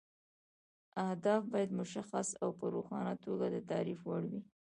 اهداف باید مشخص او په روښانه توګه د تعریف وړ وي.